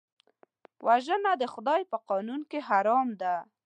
وژنه د خدای په قانون کې حرام ده